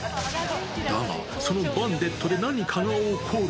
だが、そのバンデットで何かが起こる。